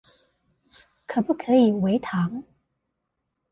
可不可以微糖